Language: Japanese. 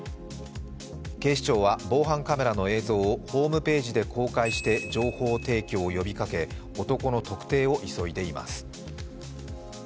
警視庁は防犯カメラの映像をホームページで公開して情報提供を呼びかけ男の特定を急いでいます。